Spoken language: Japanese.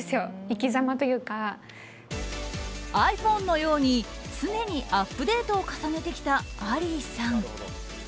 ｉＰｈｏｎｅのように常にアップデートを重ねてきたアリーさん。